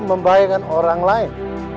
membahayakan orang lain